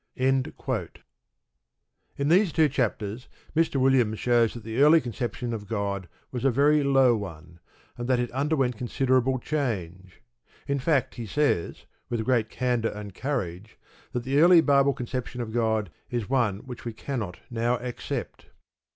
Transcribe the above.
In these two chapters Mr. Williams shows that the early conception of God was a very low one, and that it underwent considerable change. In fact, he says, with great candour and courage, that the early Bible conception of God is one which we cannot now accept.